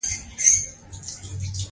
حتی په بهرنیو ژبو کې ساری نلري.